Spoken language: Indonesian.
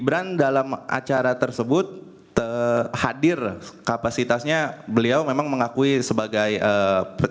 gibran dalam acara tersebut hadir kapasitasnya beliau memang mengakui sebagai menjalani cfd saja yang mulia jalan pagi jalan santai disitu